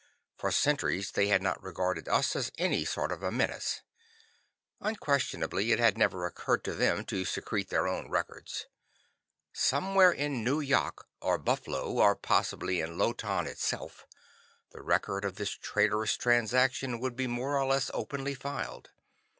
For centuries they had not regarded us as any sort of a menace. Unquestionably it had never occurred to them to secrete their own records. Somewhere in Nu yok or Bah flo, or possibly in Lo Tan itself, the record of this traitorous transaction would be more or less openly filed.